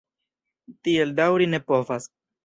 Tiel daŭri ne povas!